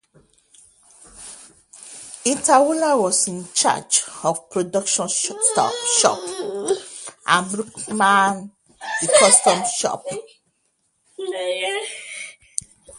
Hinterhoeller was in charge of "production shop" and Bruckmann the "custom shop".